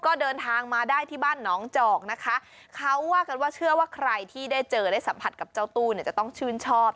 ก็เดินทางมาได้ที่บ้านน้องจอกนะคะเขาว่ากันว่าเชื่อว่าใครที่ได้เจอ